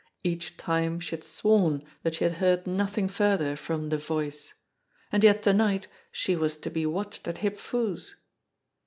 Each time she had sworn that she had heard nothing further from the Voice. And yet to night she was to be watched at Hip Foo's